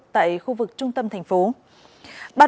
tại khu vực trung tâm thành phố